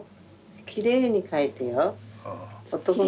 きれいに描いてよ。